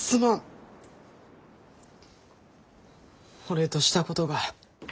俺としたことが。